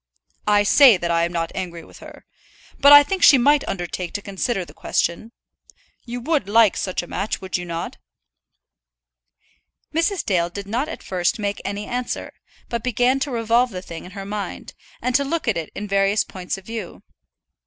"I say that I am not angry with her. But I think she might undertake to consider the question. You would like such a match, would you not?" Mrs. Dale did not at first make any answer, but began to revolve the thing in her mind, and to look at it in various points of view.